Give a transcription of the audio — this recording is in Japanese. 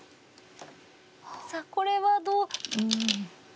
さあこれはどう？